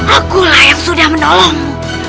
akulah yang sudah menolongmu